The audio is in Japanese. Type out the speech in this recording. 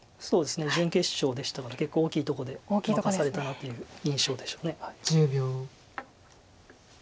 準決勝でしたので結構大きいとこで負かされたなという印象でしょうね。